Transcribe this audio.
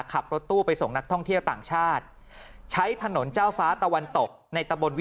ขับรถตู้ไปส่งนักท่องเที่ยวต่างชาติ